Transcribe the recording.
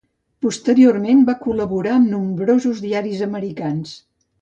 Posteriorment, va col·laborar amb nombrosos diaris americans.